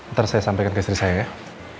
ntar saya sampaikan ke istri saya ya